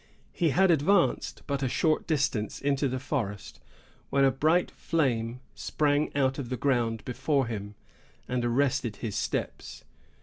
He had advanced but a short distance into the forest, when a bright flame sprang out of the ground before him, and arrested his steps.